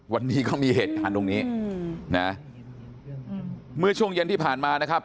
วันนี้ก็มีเหตุการณ์ตรงนี้นะเมื่อช่วงเย็นที่ผ่านมานะครับ